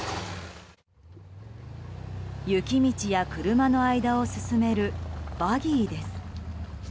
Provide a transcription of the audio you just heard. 雪道や車の間を進めるバギーです。